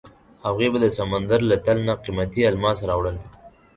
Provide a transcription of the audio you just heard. هغوی به د سمندر له تل نه قیمتي الماس راوړل.